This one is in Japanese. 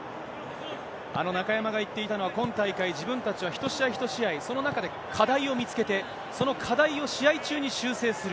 あの中山が言っていたのは、今大会、自分たちは一試合一試合、その中で課題を見つけて、その課題を試合中に修正する。